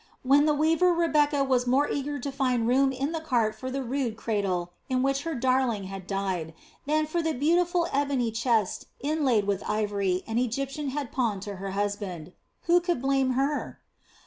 When the weaver Rebecca was more eager to find room in the cart for the rude cradle in which her darling had died, than for the beautiful ebony chest inlaid with ivory an Egyptian had pawned to her husband, who could blame her?